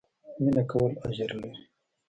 مينه کول اجر لري